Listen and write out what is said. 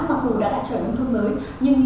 mặc dù đã đạt chuẩn hùng thuốc mới nhưng